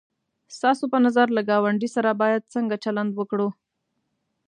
ستاسو په نظر له گاونډي سره باید څنگه چلند وکړو؟